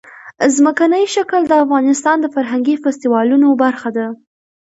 ځمکنی شکل د افغانستان د فرهنګي فستیوالونو برخه ده.